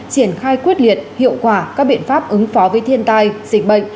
triển khai quyết liệt hiệu quả các biện pháp ứng phó với thiên tai dịch bệnh